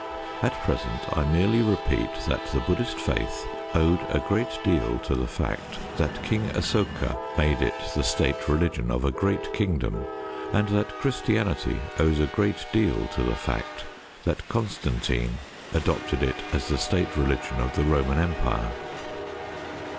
At present I merely repeat that the Buddhist faith owed a great deal to the fact that King Asoka made it the State religion of a great kingdom, and that Christianity owes a great deal to the fact that Constantine adopted it as the State religion of the Roman Empire.